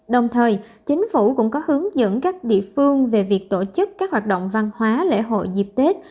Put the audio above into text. đồng thời chính phủ cũng có hướng dẫn các địa phương về việc tổ chức các hoạt động văn hóa lễ hội dịp tết